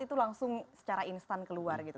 itu langsung secara instan keluar gitu